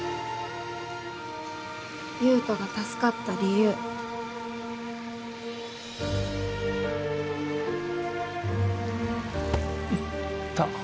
優斗が助かった理由痛っ